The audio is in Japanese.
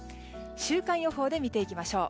週間予報で見ていきましょう。